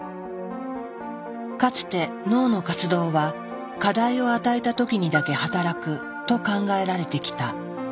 かつて脳の活動は課題を与えた時にだけ働くと考えられてきた。